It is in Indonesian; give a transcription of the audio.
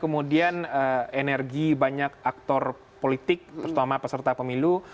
kemudian energi banyak aktor politik terutama peserta pemilu